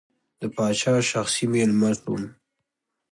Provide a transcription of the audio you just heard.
د پاچا شخصي مېلمه شوم.